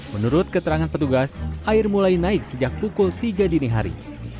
menurut keterangan petugas air mulai naik sejak pukul tiga dini hari